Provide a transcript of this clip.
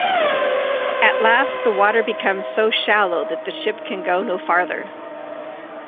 At last the water becomes so shallow that the ship can go no farther.